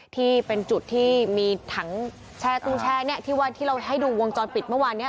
ที่เป็นจุดที่มีถังแช่ตุ้งแช่เนี่ยที่ว่าที่เราให้ดูวงจรปิดเมื่อวานนี้